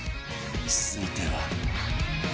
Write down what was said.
続いては